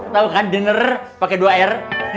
tau kan dinner pake dua r